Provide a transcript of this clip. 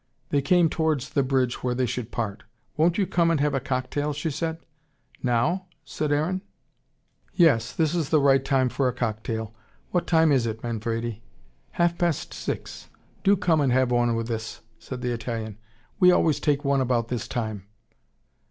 They came towards the bridge where they should part. "Won't you come and have a cocktail?" she said. "Now?" said Aaron. "Yes. This is the right time for a cocktail. What time is it, Manfredi?" "Half past six. Do come and have one with us," said the Italian. "We always take one about this time."